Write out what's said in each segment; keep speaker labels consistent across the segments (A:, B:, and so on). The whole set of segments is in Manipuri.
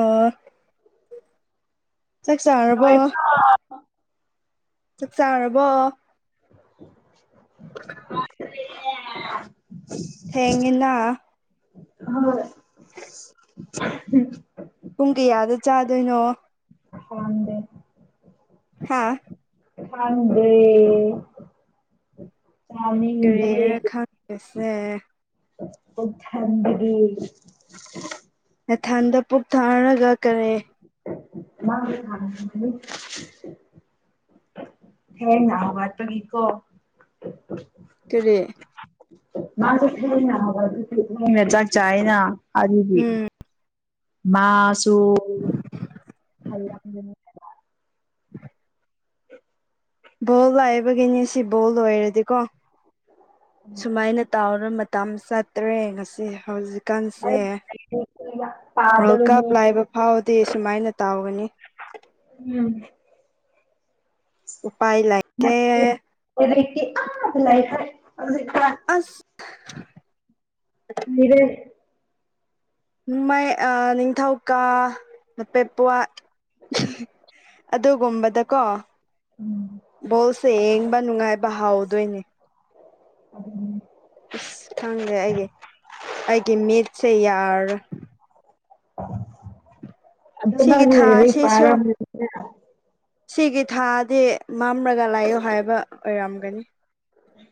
A: ꯑꯥ ꯆꯥꯛ ꯆꯥꯔꯕꯣ ꯆꯥꯛ ꯆꯥꯔꯕꯣ
B: [inaudible]
A: ꯊꯦꯡꯉꯦ
B: ꯍꯣꯏ
A: ꯄꯨꯡ ꯀꯌꯥꯗ [unintelligible]
B: [unintelligible]
A: ꯍꯥꯥ
B: ꯊꯗꯦ
A: ꯀꯔꯤꯔ ꯈꯪꯁꯦ
B: ꯄꯨ ꯊꯗꯗꯤ
A: ꯃꯦꯊꯥꯟꯗ ꯄꯨꯛ ꯊꯥꯔꯒ ꯀꯔꯦ
B: [unintelligible] ꯍꯦꯅ ꯑꯋꯥ ꯇꯥꯏꯀꯣ
A: ꯀꯔꯤ
B: ꯅ ꯆꯥꯛ ꯆꯥꯅ ꯑꯗꯨꯗꯤ
A: ꯎꯝ
B: ꯃꯥꯁꯨ
A: ꯕꯣꯜ ꯂꯥꯛꯕꯒꯤꯅꯦ ꯁꯤ ꯕꯣꯜ ꯑꯣꯏꯔꯗꯤꯀꯣ ꯁꯨꯃꯥꯏꯅ ꯇꯥꯎꯔ ꯃꯇꯨꯡ ꯃꯇꯝ ꯆꯠꯇ꯭ꯔꯦ ꯉꯁꯤ ꯍꯧꯖꯤꯛ ꯀꯟꯁꯦ
B: ꯑꯩ ꯂꯥꯏꯔꯤꯛ
A: ꯋꯥꯔꯜ
B: ꯄꯥꯗꯕꯅꯤ
A: ꯀꯞ ꯂꯥꯏꯕ ꯐꯥꯎꯗꯤ ꯁꯨꯃꯥꯏꯅ ꯇꯥꯎꯒꯅꯤ
B: ꯎꯝ
A: ꯎꯄꯥꯏ ꯂꯩꯇꯦ
B: ꯂꯥꯏ ꯐꯔ ꯑꯗꯨ ꯁꯤ
A: ꯑꯁ [unintelligible]
B: ꯎꯗ
A: ꯃꯥꯏ ꯅꯤꯡꯊꯧꯀꯥ ꯅꯄꯦꯄꯠ ꯑꯗꯨꯒꯨꯝꯕꯗꯀꯣ
B: ꯎꯝ
A: ꯕꯣꯜꯁꯦ ꯌꯦꯡꯕ ꯅꯨꯡꯉꯥꯏꯕ ꯍꯥꯎꯗꯣꯏꯅꯦ
B: ꯎꯝ
A: ꯑꯁ ꯈꯪꯗꯦ ꯑꯩꯒꯤ ꯑꯩꯒꯤ ꯃꯤꯠꯁꯦ ꯌꯥꯔ
B: ꯑꯗꯨꯃ
A: ꯁꯤꯒꯤ ꯊꯥꯁꯤꯁꯨ
B: ꯄꯔꯥꯝ
A: ꯁꯤꯒꯤ ꯊꯥꯗꯤ ꯃꯝꯂꯒ ꯂꯥꯛꯌꯣ ꯍꯥꯏꯕ ꯑꯣꯏꯔꯝꯒꯅꯤ
B: ꯎ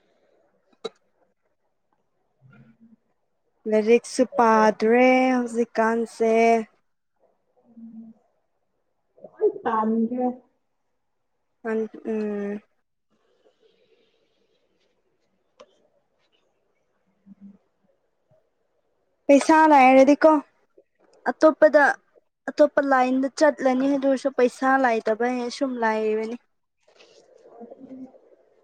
A: ꯂꯥꯏꯔꯤꯛꯁꯨ ꯄꯥꯗ꯭ꯔꯦ ꯍꯧꯖꯤꯛꯀꯥꯟꯁꯦ
B: ꯇꯖ
A: ꯑ ꯎꯝ
B: ꯎꯝ
A: ꯄꯩꯁꯥ ꯂꯑꯔꯗꯤꯀꯣ ꯑꯇꯣꯞꯄꯗ ꯑꯇꯣꯞꯄ ꯂꯥꯏꯟꯗ ꯆꯠꯂꯅꯤ ꯑꯗꯨ ꯑꯣꯏꯔꯁꯨ ꯄꯩꯁꯥ ꯂꯥꯏꯇꯕ ꯍ ꯁꯨꯝ ꯂꯥꯏꯔꯅꯤ
B: ꯎ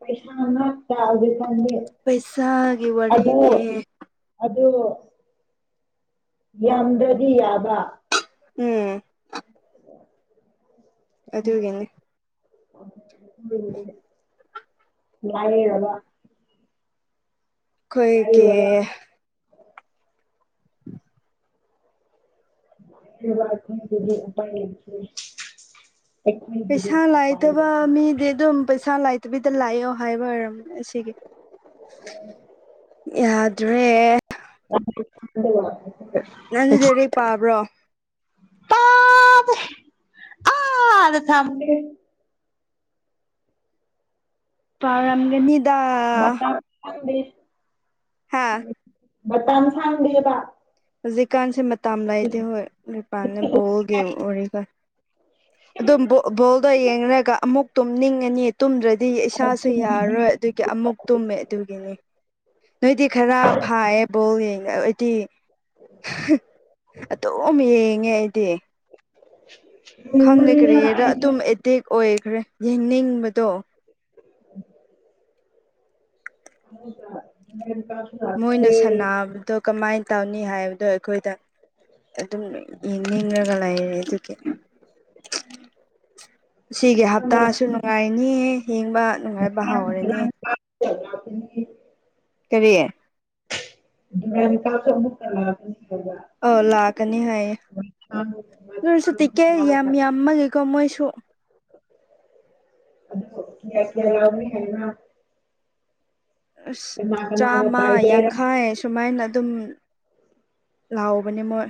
B: ꯄꯩꯁꯥ ꯑꯃ ꯇꯥꯛꯒꯀꯥꯟꯗꯤ
A: ꯄꯩꯁꯥꯒꯤ
B: ꯑꯗꯨ
A: ꯋꯥꯔꯤꯅꯦ
B: ꯌꯥꯝꯗ꯭ꯔꯗꯤ ꯌꯥꯕ
A: ꯎꯝ ꯑꯗꯨꯗ ꯑꯣꯏꯒꯗꯤ
B: ꯎ ꯕ
A: ꯀꯣꯏꯒꯤ
B: ꯋꯥꯖꯤꯄꯥꯏ
A: ꯄꯩꯁꯥ ꯂꯥꯏꯇꯕ ꯃꯤꯗꯤ ꯑꯗꯨꯝ ꯄꯩꯁꯥ ꯂ ꯕꯤꯗ ꯂꯥꯛꯑꯣ ꯍꯥꯏꯕꯔꯝ ꯁꯤꯒꯤ ꯌꯥꯗ꯭ꯔꯦ
B: ꯌꯥ ꯊ [unintelligible]
A: ꯅꯪꯗꯤ ꯂꯩꯦꯔꯩ ꯄꯥꯕ꯭ꯔꯣ
B: ꯄꯥꯗ ꯑꯥꯗ ꯊꯝ
A: ꯄꯥꯎꯔꯝꯒꯅꯤ
B: [unintelligible]
A: ꯍꯥ
B: ꯇꯝ ꯁꯥꯡꯅꯕꯤꯕ
A: ꯍꯧꯖꯤꯛꯀꯥꯟꯁꯦ ꯃꯇꯝ ꯂꯥꯏꯇꯦ ꯍꯣꯏ ꯅꯨꯄꯥꯟꯅ ꯕꯣꯜꯒꯦ ꯑꯣꯏꯔꯒꯥꯟ ꯑꯗꯨꯝ ꯕꯣꯜꯗꯣ ꯌꯦꯡꯔꯒ ꯑꯃꯨꯛ ꯇꯨꯝꯅꯤꯡꯉꯅꯤ ꯇꯨꯝꯗ꯭ꯔꯗꯤ ꯏꯁꯥꯁꯨ ꯌꯥꯔꯔꯣꯏ ꯑꯗꯨꯒꯤ ꯑꯃꯨꯛ ꯇꯨꯝꯃꯦ ꯑꯗꯨꯒꯤꯅꯤ ꯅꯣꯏꯗꯤ ꯈꯔ ꯐꯥꯌꯦꯕꯣꯅꯦ ꯑꯩꯗꯤ ꯑꯗꯨ ꯌꯦꯡꯉꯦ ꯑꯩꯗꯤ
B: ꯌꯦꯡꯕꯅꯤꯗ
A: ꯈꯪꯈ꯭ꯔꯦꯔ
B: ꯑꯩꯗꯤ
A: ꯑꯗꯨꯝ ꯑꯦꯗꯤꯛ ꯑꯣꯏꯈ꯭ꯔꯦ ꯌꯦꯡꯅꯤꯡꯕꯗꯣ
B: [inaudible] ꯍ [unintelligible]
A: ꯃꯣꯏꯅ ꯁꯥꯟꯅꯕꯗꯣ ꯀꯃꯥꯏꯅ ꯇꯧꯅꯤ ꯍꯥꯏꯕꯗꯣ ꯑꯩꯈꯣꯏꯗ ꯑꯗꯨꯝ ꯌꯦꯡꯅꯤꯡꯉ [unintelligible] ꯑꯗꯨꯒꯤ ꯁꯤꯒꯤ ꯍꯞꯇꯥꯁꯨ ꯅꯨꯡꯉꯥꯏꯔꯅꯤ ꯌꯦꯡꯕ ꯅꯨꯡꯉꯥꯏꯕ ꯍꯥꯎꯔꯅꯤ
B: ꯎ [unintelligible]
A: ꯀꯔꯤꯌꯦ
B: ꯙꯔꯀꯥ ꯀꯃꯨꯛꯛꯇ ꯂꯥꯗꯅꯤ ꯍꯥꯏ
A: ꯑꯧ ꯂꯥꯛꯀꯅꯤ ꯍꯥꯏꯌꯦ ꯑꯗꯨꯣꯏꯁꯨ
B: ꯃꯊꯥꯡ
A: ꯇꯤꯛꯀꯦ ꯌꯥꯝ ꯌꯥꯝꯃꯒꯦꯀꯣ ꯃꯣꯏꯁꯨ
B: ꯑꯗꯨꯗꯣ ꯀꯌꯥ ꯀꯌꯥ ꯂꯥꯎꯕꯤ ꯍꯥꯏꯅ
A: ꯑ ꯆꯥꯝꯃ
B: ꯄꯥꯏꯗꯣꯏꯔ
A: ꯌꯥꯡꯈꯥꯏ ꯁꯨꯃꯥꯏꯅ ꯑꯗꯨꯝ ꯂꯥꯎꯕꯅꯦ ꯃꯣꯏ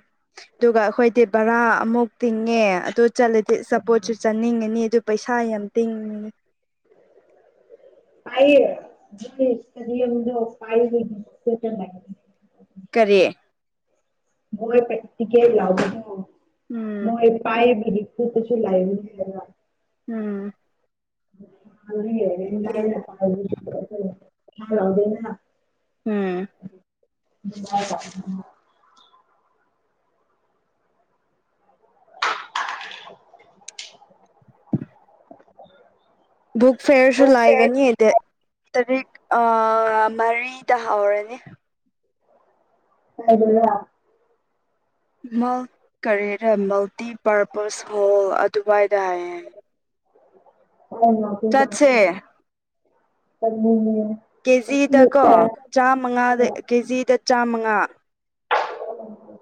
A: ꯑꯗꯨꯒ ꯑꯩꯈꯣꯏꯗꯤ ꯕꯔꯥ ꯑꯃꯨꯛ ꯇꯤꯡꯉꯦ ꯑꯗꯨꯗ ꯆꯠꯂꯗꯤ ꯑ ꯆꯆꯥꯄꯣꯠꯁꯨ ꯆꯥꯅꯤꯡꯉꯅꯤ ꯑꯗꯨ ꯄꯩꯁꯥ ꯌꯥꯝ ꯇꯤꯡꯉꯅꯤ [unintelligible]
B: ꯄꯌꯦꯗ ꯄ
A: ꯀꯔꯤꯦ
B: ꯃꯣꯏ ꯄꯀꯦ ꯂꯥꯎꯅ
A: ꯎꯝ
B: ꯃꯣꯏ ꯄꯥꯏ ꯨ ꯇꯁꯨ ꯂꯥꯏ
A: ꯎꯝ
B: ꯂꯑꯅ ꯊꯌꯥꯥꯎꯗꯅ
A: ꯎꯝ
B: [unintelligible] [unintelligible] [unintelligible]
A: ꯕꯨꯛ ꯐꯤꯦꯌꯔꯁꯨ ꯂꯥꯏꯒꯅꯤ ꯍꯥꯏꯗꯤ ꯇꯔꯤꯛ ꯃꯔꯤꯗ ꯍꯧꯔꯅꯤ
B: ꯍꯏꯗꯥ
A: ꯀꯔꯤꯔ ꯃꯜꯇꯤ ꯄꯔꯄꯁ ꯍꯣꯜ ꯑꯗꯨꯋꯥꯏꯗ ꯍꯥꯏꯌꯦ
B: ꯑꯔ
A: ꯆꯠꯁꯦ
B: ꯂ
A: ꯀꯦꯖꯤꯗ ꯀꯣ ꯆꯥꯃꯉꯥ ꯀꯦꯖꯤꯗ ꯆꯥꯃꯉꯥ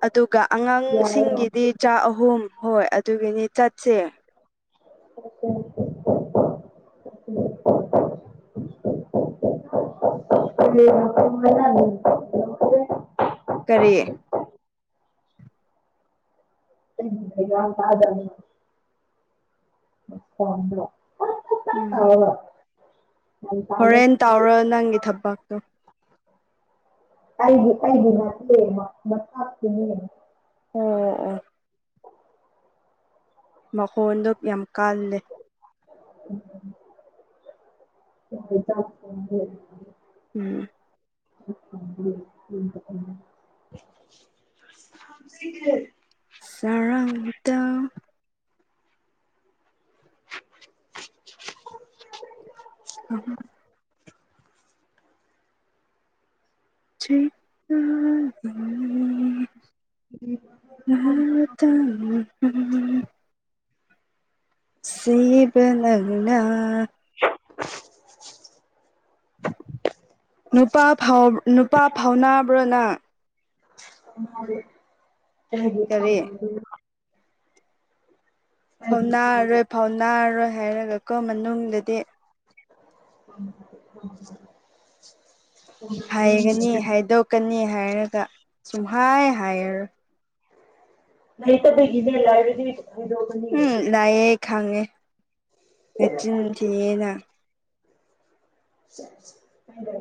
A: ꯑꯗꯨꯒ ꯑꯉꯥꯡꯁꯤꯡꯒꯤꯗꯤ ꯆꯥꯛ ꯑꯍꯨꯝ ꯍꯣꯏ ꯑꯗꯨꯒꯤꯅꯤ ꯆꯠꯁꯦ
B: [unintelligible] ꯑ ꯃꯅꯦ [unintelligible]
A: ꯀꯔꯤꯌꯦ
B: ꯀꯥꯖꯣ
A: ꯎꯝ
B: ꯑ
A: ꯍꯣꯔꯦꯟ ꯇꯥꯎꯔ ꯅꯪꯒꯤ ꯊꯕꯛꯇꯣ
B: ꯑꯩꯒꯤ ꯑꯩꯒꯤꯦ ꯍꯥꯅꯦ
A: ꯑꯣ ꯑꯣ ꯃꯈꯣꯟꯗꯨ ꯌꯥꯝ ꯀꯥꯜꯂꯦ
B: ꯆ
A: ꯎꯝ
B: [unintelligible]
A: ꯆꯥꯎꯔꯥꯡꯗ ꯑ ꯆ ꯇ ꯑ ꯇ ꯁꯤꯕ ꯅꯪꯅ
B: [unintelligible]
A: ꯅꯨꯄꯥ ꯅꯨꯄꯥ ꯐꯥꯎꯕ꯭ꯔꯅ
B: ꯀꯒꯤ ꯀ
A: ꯀꯔꯤ ꯐꯥꯎꯅꯥꯔꯔꯣꯏ ꯐꯥꯎꯅꯥꯔꯔꯣꯏ ꯍꯥꯏꯔꯒꯀꯣ ꯃꯅꯨꯡꯗꯗꯤ
B: [unintelligible]
A: ꯍꯥꯏꯒꯅꯤ ꯍꯥꯏꯗꯣꯛꯀꯅꯤ ꯍꯥꯏꯔꯒ ꯁꯨꯝꯍ ꯍꯥꯏꯔꯔꯣꯏ
B: ꯅꯇ ꯩꯒꯤꯃꯦ ꯂꯥꯏꯕ꯭ꯔꯦꯔꯤ
A: ꯎꯝ ꯂꯑ ꯍꯉꯦ ꯃꯆꯤꯟ ꯊꯅ
B: ꯍꯗ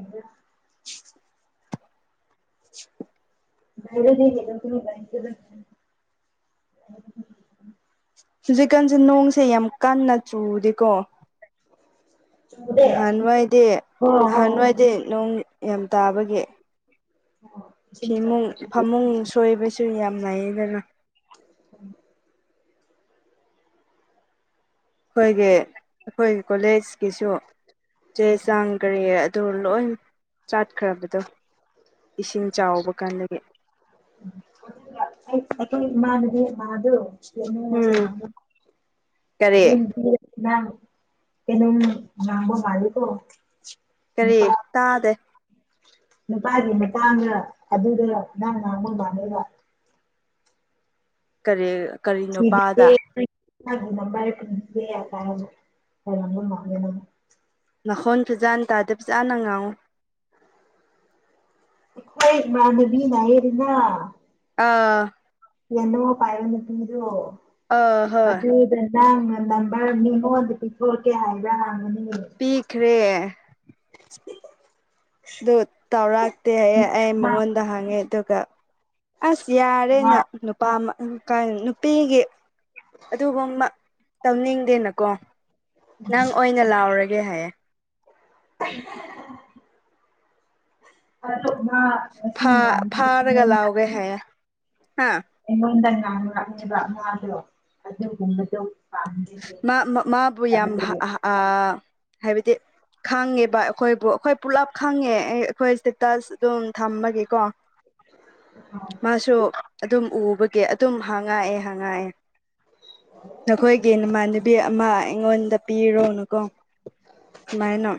B: ꯔ ꯂꯩꯗ
A: ꯍꯧꯖꯤꯛꯀꯥꯟꯁꯦ ꯅꯣꯡꯁꯦ ꯌꯥꯝ ꯀꯟꯅ ꯆꯨꯗꯦꯀꯣ
B: ꯆꯨꯝꯗꯦ
A: ꯅꯍꯥꯟꯋꯥꯏꯗꯤ
B: ꯍꯣꯏ ꯍꯣꯏ
A: ꯅꯍꯥꯟꯋꯥꯏꯗꯤ ꯅꯣꯡ ꯌꯥꯝ ꯇꯥꯕꯒꯤ
B: ꯏꯁꯤꯡ ꯆꯥꯎꯕ
A: ꯐꯤꯃꯨꯡ
B: ꯑꯗꯨꯒꯤ
A: ꯐꯃꯨꯡ ꯁꯣꯏꯕꯁꯨ ꯌꯥꯝ ꯅꯏꯌꯦꯗꯅ
B: ꯎꯝ
A: ꯑꯩꯈꯣꯏꯒꯤ ꯑꯩꯈꯣꯏꯒꯤ ꯀꯣꯂꯦꯖꯀꯤꯁꯨ ꯆꯦ ꯆꯥꯡ ꯀꯔꯤ ꯑꯗꯨ ꯂꯣꯏ ꯆꯥꯠꯈ꯭ꯔꯕꯗꯣ ꯏꯁꯤꯡ ꯆꯥꯎꯕ ꯀꯥꯟꯗꯒꯤ
B: ꯃꯥꯅꯗꯤ ꯃꯥꯗꯨ
A: ꯎꯝ
B: ꯑ [inaudible]
A: ꯀꯔꯤ
B: ꯀꯅ [inaudible] ꯂꯥꯡꯝꯕ ꯃꯥꯂꯦ ꯀꯣ
A: ꯀꯔꯤ ꯇꯥꯗꯦ
B: ꯅꯨꯄꯥꯒꯤ ꯃꯇꯥꯡꯒ ꯑꯗꯨꯗ ꯅꯪ ꯉꯥꯡꯉ ꯃꯥꯅꯦꯔ [inaudible]
A: ꯀꯔꯤ ꯀꯔꯤ ꯅꯨꯄꯥꯗ
B: ꯑꯦ ꯅꯝꯕꯔꯦ ꯌꯥ ꯀꯥꯔꯒ ꯃꯥ [unintelligible]
A: ꯃꯈꯣꯟꯜ ꯐꯖꯥꯅ ꯇꯥꯗ ꯐꯖꯥꯅ ꯉꯥꯎ
B: ꯍꯣꯏ ꯃꯥꯅꯕꯤ ꯔꯤꯅ [inaudible]
A: ꯑꯥ
B: ꯌꯦꯅꯣ ꯄꯥꯏ ꯑꯣꯏꯅ ꯇꯣ
A: ꯑꯥ ꯍꯣꯏ
B: ꯑꯗꯨ ꯏ [inaudible] ꯅꯝꯕꯔ ꯃꯤꯉꯟꯗ ꯄꯤꯊꯣꯀꯦ ꯍꯥꯏꯕꯔꯥ
A: ꯄꯤꯈꯔꯦ ꯑꯗꯨ ꯇꯧꯔꯛꯇꯦ ꯑꯩ ꯑꯩ
B: ꯃꯥ
A: ꯃꯉꯣꯟꯗ ꯍꯥꯡꯉꯦ ꯑꯗꯨꯒ ꯑꯁ
B: ꯃꯥ
A: ꯌꯥꯔꯦꯅ ꯅꯨꯄꯥ ꯅꯨꯄꯤꯒꯤ ꯑꯗꯨꯒꯨꯝꯕ ꯇꯧꯅꯤꯡꯗꯦꯅꯀꯣ ꯅꯪ ꯑꯣꯏꯅ ꯂꯥꯎꯔꯒꯦ ꯍꯥꯏꯌꯦ
B: [unintelligible] ꯑꯣ ꯃꯁꯤꯡ
A: ꯐꯥꯔꯒ
B: ꯃꯌꯥꯝꯉ [inaudible]
A: ꯂꯥꯎꯒꯦ ꯍꯥꯏꯌꯦ ꯍꯥ
B: ꯑꯩꯉꯣꯟꯗ ꯉꯥꯡꯅ ꯉꯛꯅꯦꯕ ꯃꯥꯗꯣ ꯑꯗꯨꯒꯨꯝꯕꯗꯣ ꯄꯥꯝꯗꯦ
A: ꯃꯥꯕꯨ ꯌꯥꯝ
B: ꯍꯥꯏꯕꯅꯦ
A: ꯑ ꯍꯥꯏꯕꯗꯤ ꯈꯪꯉꯦꯕ ꯑꯩꯈꯣꯏꯕꯨ ꯑꯩꯈꯣꯏ ꯄꯨꯂꯞ ꯈꯪꯉꯦ ꯑꯩꯈꯣꯏ ꯏꯁꯇꯦꯇꯁ ꯑꯗꯨꯝ ꯊꯝꯕꯒꯤꯀꯣ ꯃꯥꯁꯨ ꯑꯗꯨꯝ ꯎꯕꯒꯤ ꯑꯗꯨꯝ ꯍꯪꯉꯛꯑꯦ ꯍꯪꯉꯛꯑꯦ ꯅꯈꯣꯏꯒꯤ ꯅꯃꯥꯟꯅꯕꯤ ꯑꯃ ꯑꯩꯉꯣꯟꯗ ꯄꯤꯔꯣꯅꯨꯀꯣ ꯁꯨꯃꯥꯏꯅꯣ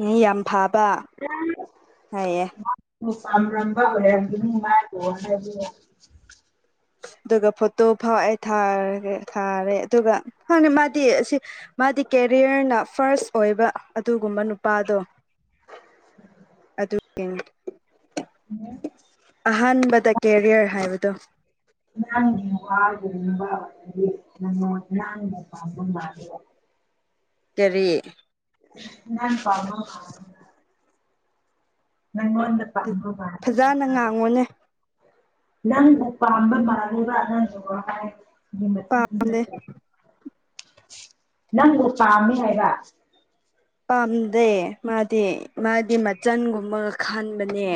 A: ꯃꯤ ꯌꯥꯝ ꯐꯕ ꯍꯥꯏꯌꯦ
B: ꯄꯥꯝꯂꯝꯝꯕ ꯑꯣꯏꯔꯝꯒꯅꯤ ꯃꯥ ꯂꯣ ꯍꯥꯏꯕꯤ [inaudible]
A: [unintelligible] ꯑꯗꯨꯒ ꯐꯣꯇꯣ ꯐꯥꯎꯑꯦ ꯊꯥꯔꯒ ꯊꯥꯔꯦ ꯑꯗꯨꯒ ꯍꯪꯅꯤ [inaudible] ꯃꯥꯗꯤ ꯑꯁꯤ ꯃꯥꯗꯤ ꯀ ꯀꯔꯤꯌꯔꯅ ꯐꯥꯔꯁ ꯑꯣꯏꯕ ꯑꯗꯨꯒꯨꯝꯕ ꯅꯨꯄꯥꯗꯣ ꯑꯗꯨ
B: ꯍꯝ
A: ꯀꯦꯔꯤꯌꯔ ꯍꯥꯏꯕꯗꯣ
B: ꯅꯪꯒ ꯍꯥꯕꯗꯤ ꯅꯅ ꯅꯥꯟꯒ ꯄꯒ
A: ꯀꯔꯤ
B: ꯅ ꯄꯃ [inaudible] ꯃꯥꯜꯂꯦ
A: ꯐꯖꯅ ꯉꯥꯡꯉꯣꯅꯦ
B: ꯅꯪꯕꯨ ꯄꯥꯝꯕ ꯃꯥꯜꯂꯦꯕ ꯑꯉꯥꯡꯁꯨ [inaudible] ꯠꯇ
A: ꯄꯥꯝꯗꯦ
B: [unintelligible] [inaudible] ꯅꯪꯕꯨ ꯄꯥꯝꯃꯦ ꯍꯥꯏꯕ
A: ꯄꯥꯝꯗꯦ ꯃꯥꯗꯤ ꯃꯥꯗꯤ ꯃꯆꯟꯒꯨꯝꯕꯒ ꯈꯟ ꯅꯦ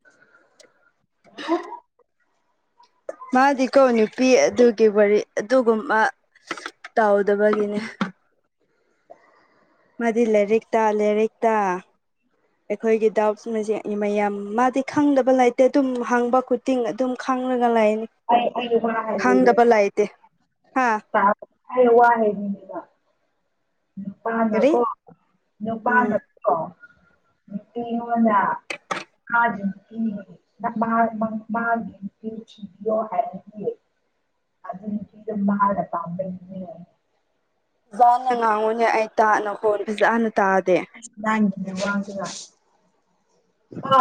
B: ꯍ [unintelligible]
A: ꯃꯥꯗꯤꯀꯣ ꯅꯨꯄꯤ ꯑꯗꯨꯒꯤ ꯋꯥꯔꯤ ꯑꯗꯨꯒꯨꯝꯕ ꯇꯥꯎꯗꯕꯒꯤꯅꯦ [inaudible]
B: [inaudible]
A: ꯍꯗꯤ ꯂꯥꯏꯔꯤꯛꯇꯥ ꯂꯦꯔꯤꯛꯇꯥ ꯑꯩꯈꯣꯏꯒꯤ ꯗꯥꯎꯠ ꯃꯖꯦ ꯏꯃꯌꯥꯝ ꯃꯥꯗꯤ ꯈꯪꯗꯕ ꯂꯩꯇꯦ ꯇꯨꯝ ꯍꯪꯕ ꯈꯨꯇꯤꯡ ꯑꯗꯨꯝ ꯈꯪꯔꯒ ꯂꯥꯏꯅꯤ
B: ꯑꯩ ꯑꯩ
A: ꯈꯪꯗꯕ ꯂꯥꯏꯇꯦ
B: ꯇꯥꯕ ꯑꯩꯅ ꯋꯥꯔꯤꯍꯦꯞꯅꯤꯒ ꯅꯨꯄꯥꯅ
A: ꯀꯔꯤ
B: ꯀꯣ
A: ꯎꯝ
B: ꯅꯨꯄꯥꯅꯀꯣ ꯀꯩꯅꯣꯅ ꯍꯥꯥꯗꯦꯟ [unintelligible] ꯑꯗꯨꯏ ꯅꯨꯄꯤꯗꯨ ꯃꯥꯅꯥ ꯄꯥꯝꯕꯩꯅꯤꯅꯦ
A: ꯐꯖꯥꯅ ꯉꯥꯡꯉꯨꯅꯦ ꯑꯩ ꯇꯥ ꯅꯈꯣꯟ ꯐꯖꯥꯅ
B: ꯂꯥꯏꯟꯒꯅ ꯋꯥꯡꯒꯅ ꯀ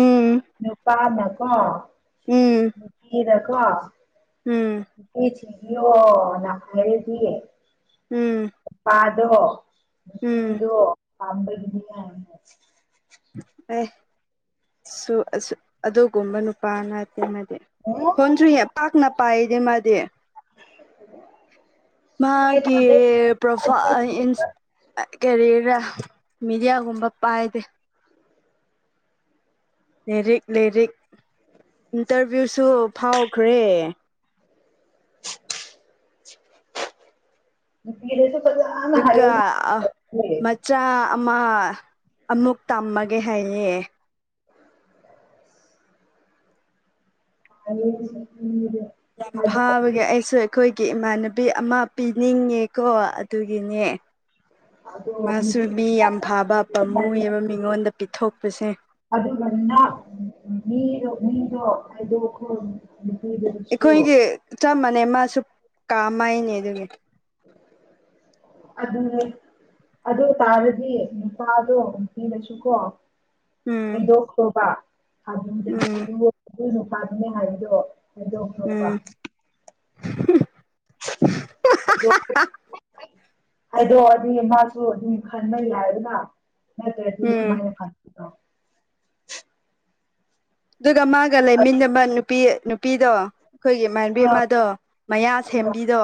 A: ꯎꯝ
B: ꯅꯨꯄꯥ ꯅꯀꯣ
A: ꯎꯝ
B: ꯅꯨꯄꯤ ꯅ ꯋꯥ
A: ꯎꯝ
B: ꯅꯩꯄꯤ ꯊꯤꯟꯕꯤꯌꯣ ꯅ ꯍꯥꯏꯔꯗꯤ
A: ꯎꯝ
B: ꯑꯗꯣ
A: ꯎꯝ
B: ꯄꯝꯕ ꯒꯤꯗꯤꯅꯦ
A: ꯑꯩ ꯁꯨ ꯑꯁꯨ ꯑꯗꯨꯒꯨꯝꯕ ꯅꯨꯄꯥꯅꯠꯇꯦ ꯅꯠ ꯍꯣꯟꯗꯔꯤꯌꯦ ꯄꯥꯛꯅ ꯄꯥꯏꯗꯦ ꯃꯥꯗꯤ
B: [unintelligible]
A: ꯃꯥꯒꯤ ꯄ꯭ꯔꯣꯐ ꯑ ꯏꯟꯁ ꯀꯔꯤꯔ ꯃꯦꯗꯤꯌꯥꯒꯨꯝꯕ ꯄꯥꯏꯗꯦ ꯂꯦꯔꯤꯛ ꯂꯦꯔꯤꯛ ꯏꯟꯇꯔꯚꯤꯌꯨꯁꯨ ꯐꯥꯎꯈ꯭ꯔꯦ
B: ꯄꯤꯔꯦꯁꯨ
A: ꯑꯗꯨꯀ ꯑ ꯃꯆꯥ ꯑꯃ ꯑꯃꯨꯛ ꯇꯝꯃꯒꯦ ꯍꯥꯏꯌꯦ
B: [inaudible]
A: ꯌꯥꯝ ꯐꯕꯒꯤ ꯑꯩꯁꯨ ꯑꯩꯈꯣꯏ ꯀꯤ ꯏꯃꯥꯟꯅꯕꯤ ꯑꯃ ꯄꯤꯅꯤꯡꯉꯦꯀꯣ ꯑꯗꯨꯒꯤꯅꯦ
B: ꯑꯗꯣ
A: ꯃꯁꯨ
B: ꯅꯨꯄꯤ
A: ꯃꯤꯌꯥꯝ ꯌꯥꯝ ꯐꯥꯕ ꯄꯃꯨꯌꯦꯕ ꯃꯤꯉꯣꯡꯗ ꯄꯤꯊꯣꯛꯄꯁꯦ
B: ꯑꯗꯨꯒ ꯅꯥꯛ ꯃꯤꯔꯣ ꯃꯤꯗꯣ ꯍꯥꯏꯗꯣꯛꯈꯔꯣ
A: ꯑꯩꯈꯣꯏꯒꯤ ꯆꯞ ꯃꯥꯟꯅꯩ ꯃꯥꯁꯨ ꯀꯥꯃꯥꯏꯅꯦ ꯑꯗꯨꯒꯤ
B: ꯑꯗꯨꯅꯦ ꯑꯗꯨ ꯇꯥꯔꯗꯤ ꯅꯨꯄꯥꯗꯣ ꯅꯨꯄꯤꯗꯁꯨꯀꯣ
A: ꯎꯝ
B: ꯍꯩꯗꯣꯛꯈꯔꯣꯕ ꯑꯗꯨꯗ
A: ꯎꯝ
B: ꯑꯗꯨ ꯅꯨꯄꯥꯗꯨꯅꯦ ꯍꯥꯏꯕꯗꯣ ꯍꯥꯏꯗꯣꯛꯈꯔꯣꯕ
A: ꯎꯝ
B: ꯍꯥꯏꯗꯣ ꯍꯥꯏꯗꯣꯛꯑꯗꯤ ꯃꯥꯁꯨ ꯑꯗꯨꯝ ꯈꯟꯕ ꯌꯥꯌꯦꯗꯅ ꯅꯠꯇ꯭ꯔꯗꯤ
A: ꯎꯝ
B: ꯀꯃꯥꯏꯟ ꯈꯟ
A: ꯑꯗꯨꯒ ꯃꯥꯒ ꯂꯩꯃꯤꯟꯅꯕ ꯅꯨꯄꯤ ꯅꯨꯄꯤꯗꯣ ꯑꯩꯈꯣꯏꯒꯤ ꯃꯥꯟꯕꯤ
B: ꯑꯥ
A: ꯑꯃꯗꯣ ꯃꯌꯥ
B: ꯑꯣ
A: ꯁꯦꯝꯕꯤꯗꯣ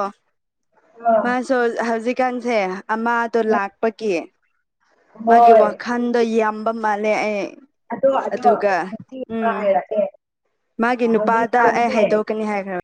B: ꯑꯥ
A: ꯃꯥꯁꯨ ꯍꯧꯖꯤꯛꯀꯥꯟꯁꯦ ꯑꯃꯗꯣ ꯂꯥꯛꯄꯒꯤ ꯃꯥꯒꯤ
B: ꯍꯣꯏ
A: ꯋꯥꯈꯥꯟꯗ ꯌꯝꯕ ꯃꯥꯂꯦ ꯑꯩ
B: ꯑꯗꯣ ꯑꯗꯣ
A: ꯑꯗꯨꯒ
B: [unintelligible]
A: ꯎꯝ
B: ꯍꯥꯏꯔꯛꯀꯦ
A: ꯃꯥꯒꯤ ꯅꯨꯄꯥꯗ ꯑꯩ
B: ꯍꯧꯖꯤꯛꯀꯥꯟꯁꯦ
A: ꯍꯥꯏꯗꯣꯛꯀꯅꯤ ꯍꯥꯏꯈ꯭ꯔꯝ